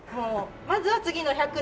まずは次の１００年。